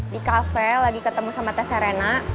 di kafe lagi ketemu sama tess serena